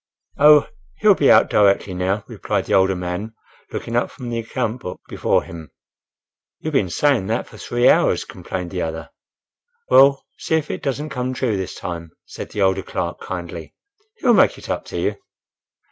"Oh! He'll be out directly now," replied the older man, looking up from the account book before him. "You've been saying that for three hours!" complained the other. "Well, see if it doesn't come true this time," said the older clerk, kindly. "He'll make it up to you."